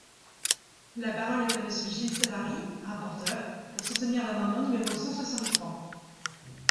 La parole est à Monsieur Gilles Savary, rapporteur, pour soutenir l’amendement numéro cent soixante-trois.